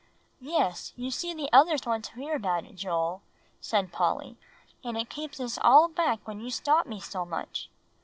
"Yes, you see the others want to hear about it, Joel," said Polly; "and it keeps us all back when you stop me so much."